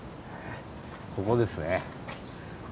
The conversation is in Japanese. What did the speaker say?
ここですね。